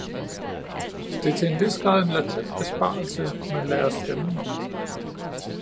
Det er til en vis grad en latent besparelse, man lader os stemme om.